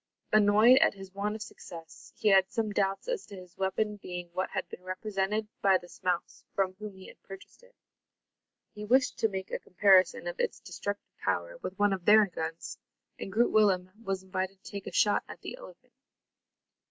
Annoyed at his want of success, he had some doubts as to his weapon being what had been represented by the smouse from whom he had purchased it. He wished to make a comparison of its destructive power with one of their guns, and Groot Willem was invited to take a shot at the elephant.